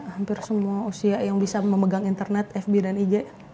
hampir semua usia yang bisa memegang internet fb dan ig